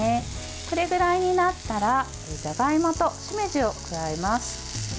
これぐらいになったらじゃがいもと、しめじを加えます。